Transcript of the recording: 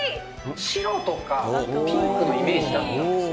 白とかピンクのイメージだったんですよ。